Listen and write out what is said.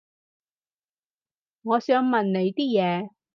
我想問你啲嘢